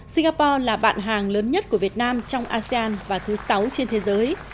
singapore là bạn hàng lớn nhất của việt nam trong asean và thứ sáu trên thế giới